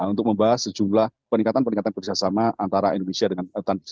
untuk membahas sejumlah peningkatan peningkatan kerjasama antara indonesia dengan tanki